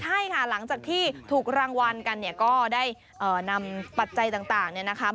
ใช่ค่ะหลังจากที่ถูกรางวัลกันเนี่ยก็ได้นำปัจจัยต่างเนี่ยนะคะ